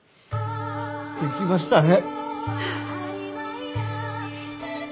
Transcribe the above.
できましたね！